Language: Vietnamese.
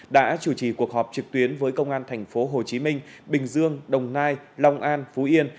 đã chủ trì cuộc họp trực tuyến với công an thành phố hồ chí minh bình dương đồng nai long an phú yên